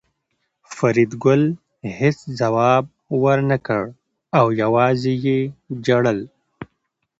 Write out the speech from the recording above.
فریدګل هېڅ ځواب ورنکړ او یوازې یې ژړل